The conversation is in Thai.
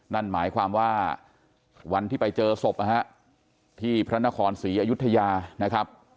นั่นหมายความว่าวันที่ไปเจอศพนะฮะที่พระนครศรีอยุธยานะครับ